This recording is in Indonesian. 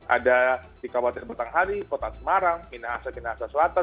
ada di kabupaten batanghari kota semarang minahasa minahasa selatan